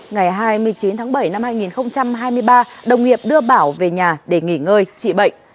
ngày hai mươi chín tháng bảy năm hai nghìn hai mươi ba đồng nghiệp đưa bảo về nhà để nghỉ ngơi trị bệnh